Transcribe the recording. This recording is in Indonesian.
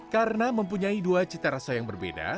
karena mempunyai dua cita rasa yang berbeda